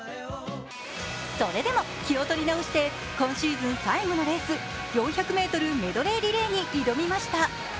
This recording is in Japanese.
それでも気を取り直して今シーズン最後のレース、４００ｍメドレーリレーへ挑みました。